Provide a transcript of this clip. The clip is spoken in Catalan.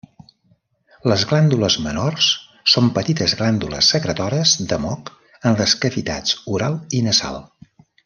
Les glàndules menors són petites glàndules secretores de moc en les cavitats oral i nasal.